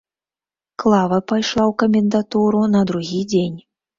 Клава пайшла ў камендатуру на другі дзень.